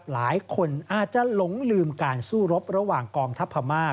หลายคนอาจจะหลงลืมการสู้รบระหว่างกองทัพพม่า